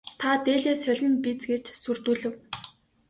Та дээлээ солино биз гэж сүрдүүлэв.